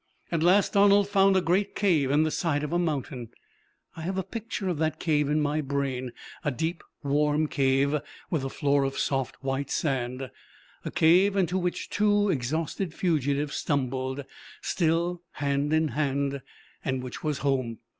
"At last Donald found a great cave in the side of a mountain. I have a picture of that cave in my brain a deep, warm cave, with a floor of soft white sand, a cave into which the two exhausted fugitives stumbled, still hand in hand, and which was home.